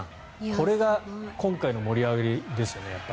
これが今回の盛り上がりですよね。